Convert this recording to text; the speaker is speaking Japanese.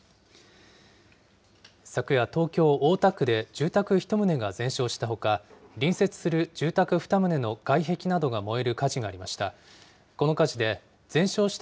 昨夜、東京・大田区で、住宅１棟が全焼したほか、隣接する住宅２棟の外壁などが燃える火事がありました。